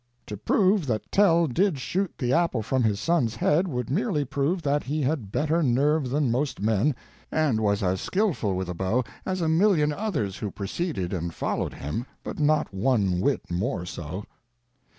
To prove that Tell did shoot the apple from his son's head would merely prove that he had better nerve than most men and was as skillful with a bow as a million others who preceded and followed him, but not one whit more so.